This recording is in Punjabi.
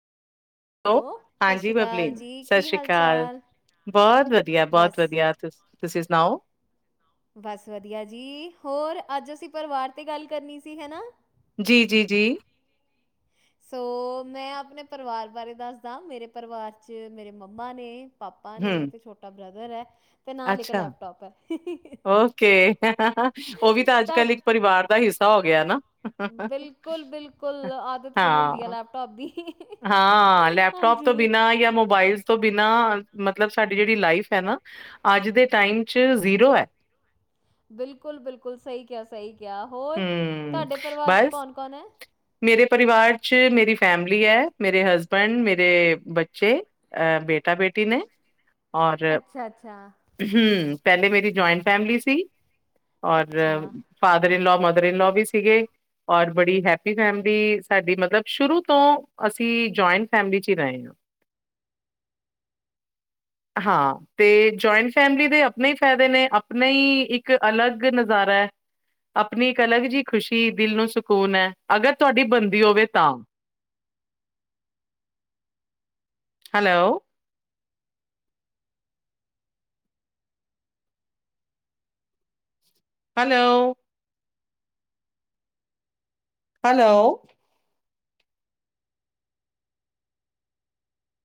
ਹੈਲੋ, ਸਤਿ ਹਾਂਜੀ ਸ਼੍ਰੀ ਬਬਲੀ, ਅਕਾਲ ਜੀ ਸਤਿ ਕੀ ਸ੍ਰੀ ਹਾਲ ਅਕਾਲ, ਚਾਲ ਬਹੁਤ ਵਧੀਆ, ਬਹੁਤ ਬਸ ਵਧੀਆ, ਤੁਸੀਂ ਤੁਸੀਂ ਸੁਣਾਓ? ਬਸ ਵਧੀਆ ਜੀ, ਹੋਰ ਅੱਜ ਅਸੀਂ ਪਰਿਵਾਰ 'ਤੇ ਗੱਲ ਕਰਨੀ ਸੀ ਹੈ ਨਾ? ਜੀ- ਜੀ -ਜੀ। ਸੋ, ਮੈਂ ਆਪਣੇ ਪਰਿਵਾਰ ਬਾਰੇ ਦੱਸਦਾ, ਮੇਰੇ ਪਰਿਵਾਰ 'ਚ ਮੇਰੇ ਮੰਮਾ ਨੇ ਪਾਪਾ ਨੇ ਹੂੰ, ਤੇ ਛੋਟਾ ਬ੍ਰਦਰ ਐ, ਤੇ ਨਾਲ ਇੱਕ ਅੱਛਾ, ਲੈਪਟੋਪ ਐ। ਓਕੇ, ਉਹ ਵੀ ਤਾਂ ਅੱਜ -ਕੱਲ ਇੱਕ ਪਰਿਵਾਰ ਦਾ ਹਿੱਸਾ ਹੋ ਗਿਆ ਨਾ। ਬਿਲਕੁਲ -ਬਿਲਕੁਲ, ਆਦਤ ਪਈ ਹੁੰਦੀ ਆ, ਹਾਂ, ਲੈਪਟੋਪ ਦੀ। ਹਾਂ ਆ, ਲੈਪਟੋਪ ਤੋਂ ਹਾਂਜੀ ਬਿਨਾਂ ਜਾਂ ਮੋਬਾਈਲਸ ਤੋਂ ਬਿਨਾਂ, ਮਤਲਬ ਸਾਡੀ ਜਿਹੜੀ ਲਾਈਫ ਐ ਨਾ, ਅੱਜ ਦੇ ਟਾਈਮ 'ਚ ਜ਼ੀਰੋ ਐ। ਬਿਲਕੁਲ- ਬਿਲਕੁਲ ਸਹੀ ਕਿਹਾ, ਸਹੀ ਕਿਹਾ, ਹੋਰ ਹੂੰ, ਤੁਹਾਡੇ ਪਰਿਵਾਰ 'ਚ ਬਸ ਕੌਣ -ਕੌਣ ਹੈ। ਮੇਰੇ ਪਰਿਵਾਰ 'ਚ ਮੇਰੀ ਫੈਮਿਲੀ ਹੈ। ਮੇਰੇ ਹਸਬੈਂਡ, ਮੇਰੇ ਬੱਚੇ ਅ ਬੇਟਾ ਬੇਟੀ ਨੇ ਔਰ, ਅੱਛਾ ਅੱਛਾ ਹਮ, ਪਹਿਲੇ ਮੇਰੀ ਜੁਆਇੰਟ ਫੈਮਲੀ ਸੀ ਔਰ, ਅੱਛਾ ਫਾਦਰ ਇਨਲੋ, ਮਦਰ ਇਨਲੋਅ ਵੀ ਸੀਗੇ, ਔਰ ਬੜੀ ਹੈਪ ਸਾਡੀ ਫੈਮਲੀ, ਸਾਡੀ ਮਤਲਬ ਸ਼ੁਰੂ ਤੋਂ ਅਸੀਂ ਜੁਆਇੰਟ ਫੈਮਿਲੀ 'ਚ ਹੀ ਰਹੇ ਹਾਂ ?? ਹਾਂ, ਤੇ ਜੁਆਇੰਟ ਫੈਮਿਲੀ ਦੇ ਆਪਣੇ ਹੀ ਫਾਇਦੇ ਨੇ, ਆਪਣੇ ਹੀ ਇੱਕ ਇੱਕ ਅਲੱਗ ਨਜ਼ਾਰਾ ਹੈ। ਆਪਣੀ ਇੱਕ ਅਲੱਗ ਜਿਹੀ ਖ਼ੁਸ਼ੀ, ਦਿਲ ਨੂੰ ਸਕੂਨ ਹੈ। ਅਗਰ ਤੁਹਾਡੀ ਬਣਦੀ ਹੋਵੇ ਤਾਂ ਹੈਲੋ? ਹੈਲੋ। ਹੈਲੋ